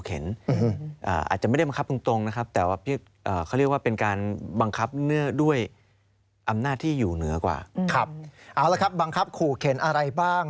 เอาละครับบังคับขู่เข็นอะไรบ้าง